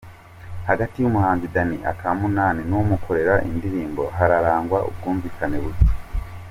Hagati y’umuhanzi Dani Akamunani numukorera indirimbo hararangwa ubwumvikane buke